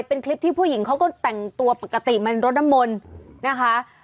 เป็นคลิปที่ผู้หญิงเขาก็แต่งตัวปกติมันรดน้ำมนต์นะคะ